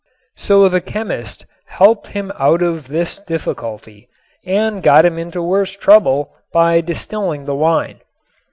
So the chemist helped him out of this difficulty and got him into worse trouble by distilling the wine.